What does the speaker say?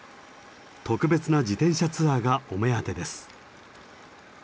特別な自転車ツアーがお目当てです。